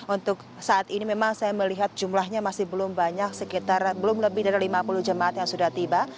untuk saat ini memang saya melihat jumlahnya masih belum banyak sekitar belum lebih dari lima puluh jemaat yang sudah tiba